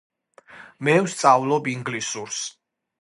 მე ვსწავლობ ინგლისურს